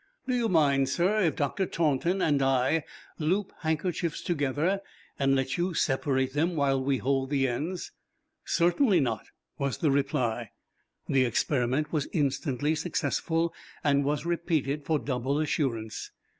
Do you mind, sir, if Dr. Taunton and I loop handkerchiefs together, and let you separate them while we hold the ends?" "Certainly not," was the reply. The experiment was instantly successful, and was repeated for double assurance.